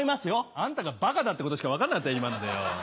あんたがバカだってことしか分かんなかった今のでよぉ。